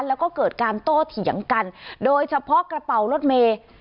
แล้วก็เกิดการโต้เถียงกันโดยเฉพาะกระเป๋ารถเมย์